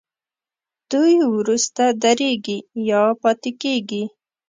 دوی وروسته درېږي یا پاتې کیږي.